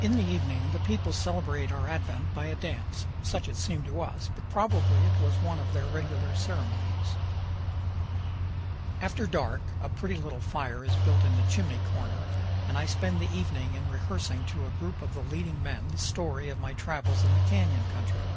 In the evening the people celebrate our advent by a dance, such it seemed to us, but probably it was one of their regular ceremonies. 338 CANYONS OF THE COLORADO. After dark a pretty little fire is built in the chimney corner and I spend the evening in rehearsing to a group of the leading men the story of my travels in the canyon country.